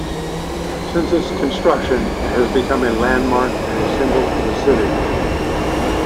Since its construction, it has become a landmark and a symbol for the city.